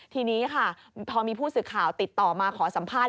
ทีนี้ค่ะพอมีผู้สื่อข่าวติดต่อมาขอสัมภาษณ